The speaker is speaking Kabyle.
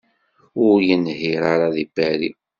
Ur yenhiṛ ara deg Paris.